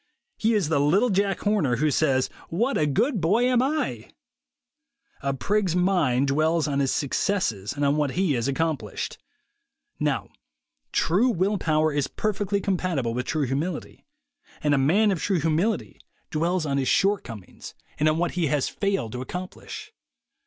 He is the little Jack Horner who says, "What a good boy am I !" A prig's mind dwells on his suc cesses and on what he has accomplished. Now true will power is perfectly compatible with true humil ity, and a man of true humility dwells on his short 153 154 THE WAY TO WILL POWER comings and on what he has failed to accomplish.